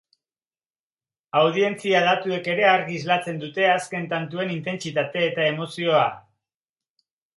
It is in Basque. Audientzi datuek ere argi islatzen du azken tantuen intentsitate eta emozioa.